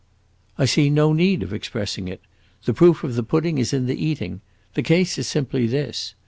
"I see no need of expressing it. The proof of the pudding is in the eating! The case is simply this.